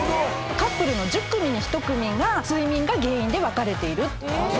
カップルの１０組に１組が睡眠が原因で別れている。